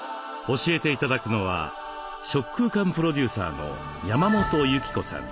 教えて頂くのは食空間プロデューサーの山本侑貴子さん。